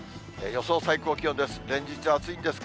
予想最高気温です。